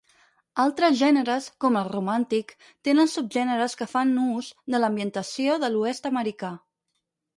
Altres gèneres, com el romàntic, tenen subgèneres que fan ús de l"ambientació de l"Oest americà.